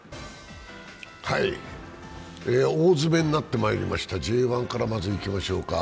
大詰めになって参りましたＪ１からまずいきましょうか。